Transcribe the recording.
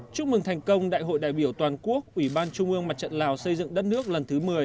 chúc mừng thành công đại hội đại biểu toàn quốc ủy ban trung ương mặt trận lào xây dựng đất nước lần thứ một mươi